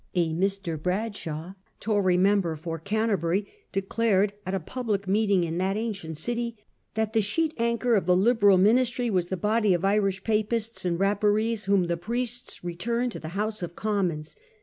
A Mr. Bradshaw, Tory mem ber for Canterbury, declared at a public meeting in that ancient city that the sheet anchor of the Liberal Ministry was the body of ' Irish papists and rap parees whom the priests return to the House of Com mons.